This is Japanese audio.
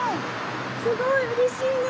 すごいうれしいね。